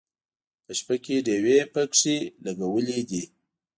په شپه کې ډیوې پکې لګولې دي.